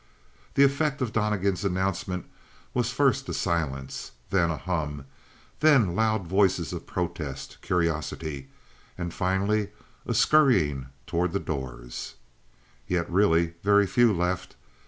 The effect of Donnegan's announcement was first a silence, then a hum, then loud voices of protest, curiosity and finally a scurrying toward the doors. Yet really very few left.